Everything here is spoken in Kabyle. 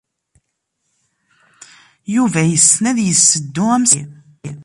Yuba yessen ad yesseddu amsasay.